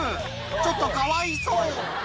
ちょっとかわいそう。